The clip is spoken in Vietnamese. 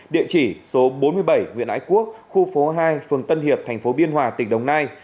địa chỉ số bốn mươi bảy nguyễn ái quốc khu phố hai phường tân hiệp thành phố biên hòa tỉnh đồng nai